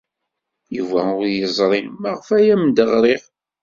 Yuba ur yeẓri maɣef ay am-d-ɣriɣ.